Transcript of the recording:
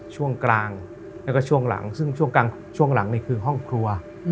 ช่วงกลางแล้วก็ช่วงหลังซึ่งช่วงหลังนี่คือห้องครัว